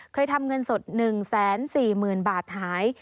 เคยทำเงินสด๑๔๐๐๐บาทหาย